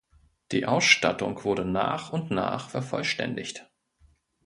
Die Ausstattung wurde nach und nach vervollständigt.